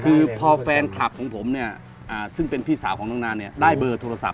คือพอแฟนคลับของผมเนี่ยซึ่งเป็นพี่สาวของน้องนานเนี่ยได้เบอร์โทรศัพ